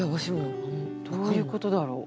どういうことだろう。